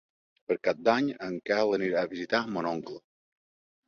Per Cap d'Any en Quel anirà a visitar mon oncle.